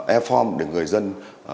airform để người dân